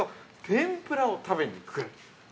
天ぷらを食べに来る。